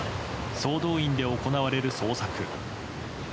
総動員で行われる捜索。